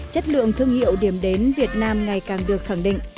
chất lượng thương hiệu điểm đến việt nam ngày càng được khẳng định